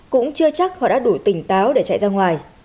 cũng chưa chắc họ đã đủ tỉnh táo để chạy ra ngoài